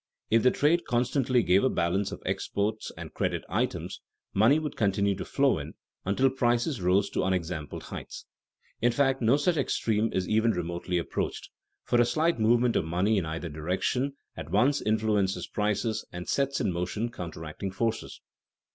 If the trade constantly gave a balance of exports and credit items, money would continue to flow in, until prices rose to unexampled heights. In fact no such extreme is even remotely approached, for a slight movement of money in either direction at once influences prices and sets in motion counteracting forces.